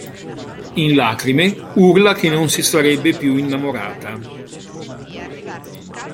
In lacrime, urla che non si sarebbe più innamorata.